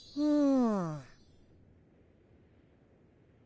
うん。